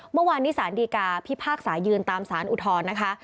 เมื่อวานนี้สารดีกาพิพากษายืนตามสารอุทธรณ์นะคะ